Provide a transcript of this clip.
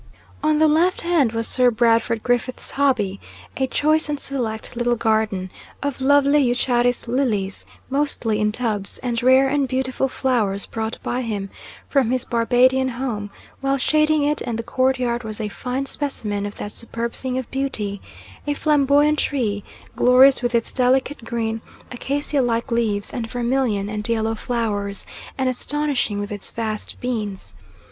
On the left hand was Sir Brandford Griffiths' hobby a choice and select little garden, of lovely eucharis lilies mostly in tubs, and rare and beautiful flowers brought by him from his Barbadian home; while shading it and the courtyard was a fine specimen of that superb thing of beauty a flamboyant tree glorious with its delicate green acacia like leaves and vermilion and yellow flowers, and astonishing with its vast beans.